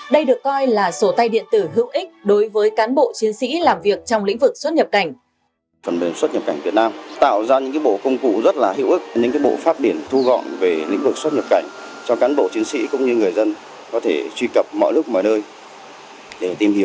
đây được coi là sổ tay điện tử hữu ích đối với cán bộ chiến sĩ làm việc trong lĩnh vực xuất nhập cảnh